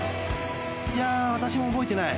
［いや私も覚えてない。